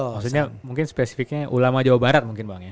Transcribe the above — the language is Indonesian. maksudnya mungkin spesifiknya ulama jawa barat mungkin bang ya